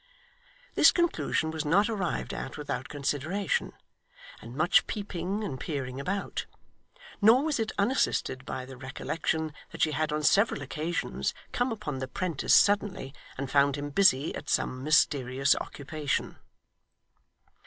This conclusion was not arrived at without consideration, and much peeping and peering about; nor was it unassisted by the recollection that she had on several occasions come upon the 'prentice suddenly, and found him busy at some mysterious occupation.